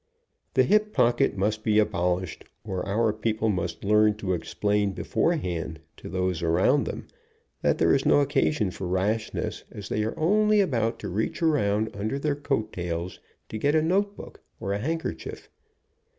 The hip pocket must be abol ished, or our people must learn to explain beforehand to those around them that there is no occasion for rashness, as they are only about to reach around under their coat tails to get a note book, or a handkerchief.